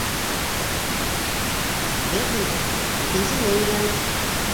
Беҙ бында икенсене уйланыҡ.